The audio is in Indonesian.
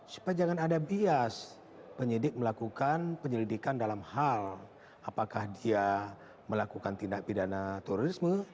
supaya jangan ada bias penyidik melakukan penyelidikan dalam hal apakah dia melakukan tindak pidana terorisme